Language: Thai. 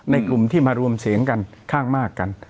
กลุ่มที่มารวมเสียงกันข้างมากกัน